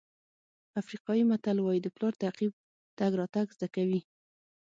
افریقایي متل وایي د پلار تعقیب تګ راتګ زده کوي.